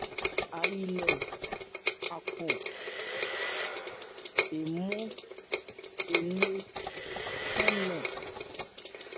Aji lê Akho ɔ́nmɔn elɛ́ nmɛ́n.